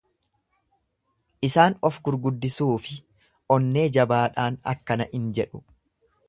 Isaan of gurguddisuu fi onnee jabaadhaan akkana in jedhu.